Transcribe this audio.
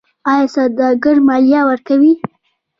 آیا سوداګر مالیه ورکوي؟